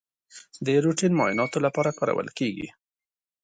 د روټین معایناتو لپاره کارول کیږي.